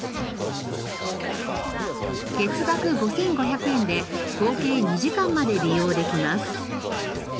月額５５００円で合計２時間まで利用できます。